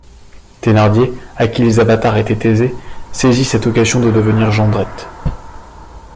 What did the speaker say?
Thénardier, à qui les avatars étaient aisés, saisit cette occasion de devenir Jondrette.